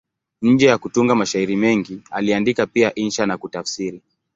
Nje ya kutunga mashairi mengi, aliandika pia insha na kutafsiri.